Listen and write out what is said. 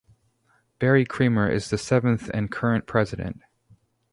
Barry Creamer is the seventh and current president.